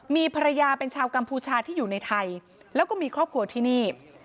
มีภรรยาเป็นชาวกัมพูชาที่อยู่ในไทยแล้วก็มีครอบครัวที่นี่